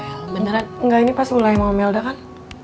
el beneran enggak ini pas mulai sama melda kan